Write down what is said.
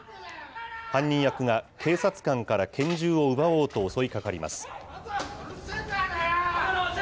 犯人役が、警察官から拳銃を奪おうと襲いかかります。